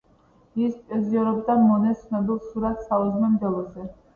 ის პოზიორობდა მონეს ცნობილ სურათ „საუზმე მდელოზე“.